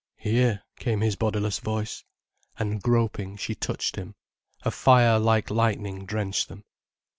"Here," came his bodiless voice. And groping, she touched him. A fire like lightning drenched them.